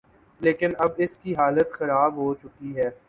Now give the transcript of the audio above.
لیکن اب اس کی حالت خراب ہو چکی ہے۔